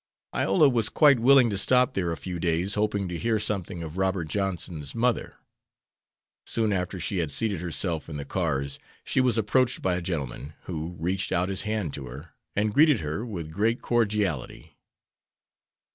Iola was quite willing to stop there a few days, hoping to hear something of Robert Johnson's mother. Soon after she had seated herself in the cars she was approached by a gentleman, who reached out his hand to her, and greeted her with great cordiality.